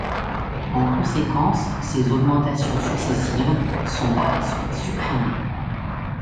En conséquence, ces augmentations successives sont par la suite supprimées.